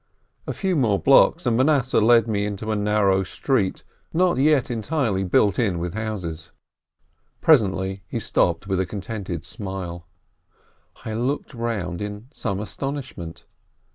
A few more blocks and Manasseh led me into a narrow street, not yet entirely built in with houses. Presently he stopped, with a contented smile. I looked round in some astonishment.